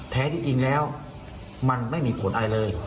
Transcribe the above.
แท้ที่จริงแล้วมันไม่มีผลอะไรเลย